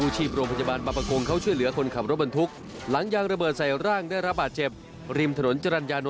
จึงยืมอุปกรณ์จากอู่ใกล้มุดเข้าไปเคาะล้อยาง